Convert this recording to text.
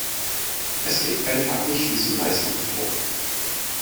Es gibt einfach nicht diesen Leistungsdruck.